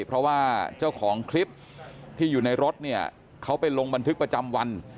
เพราะว่าเจ้าของคลิปที่อยู่ในรถเนี่ยเขาไปลงบันทึกประจำวัน